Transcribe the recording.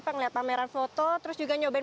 pak melihat pameran foto terus juga nyobain